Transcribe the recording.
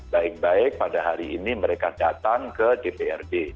baik baik pada hari ini mereka datang ke dprd